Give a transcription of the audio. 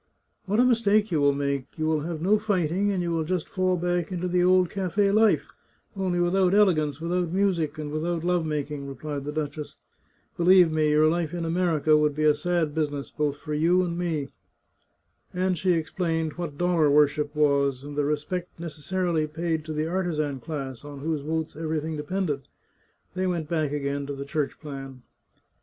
" What a mistake you will make ! You will have no fighting, and you will just fall back into the old cafe life, only without elegance, without music, and without love making," replied the duchess. " Believe me, your life in America would be a sad business, both for you and me." And she explained what dollar worship was, and the respect necessarily paid to the artisan class, on whose votes every thing depended. They went back again to the Church plan.